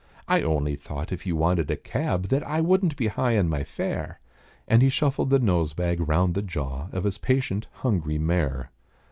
I only thought if you wanted a cab That I wouldn't be high in my fare," And he shuffled the nose bag round the jaw Of his patient, hungry mare.